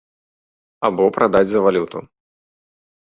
Або прадаць за валюту.